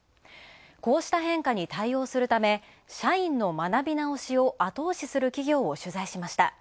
こうした変化に対応するため、社員の学び直しを後押しする企業を取材しました。